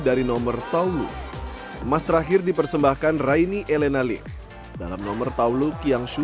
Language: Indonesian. dari nomor taulu emas terakhir dipersembahkan raini elena lif dalam nomor taulu kiangsu